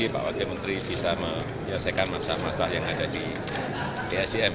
pak wakil menteri bisa menyelesaikan masalah masalah yang ada di sdm